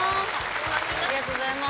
ありがとうございます。